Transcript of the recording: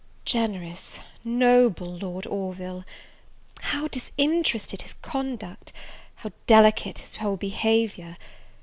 Generous, noble Lord Orville! how disinterested his conduct! how delicate his whole behaviour!